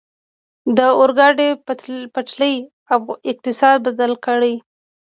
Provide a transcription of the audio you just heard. د اورګاډي پټلۍ اقتصاد بدل کړ.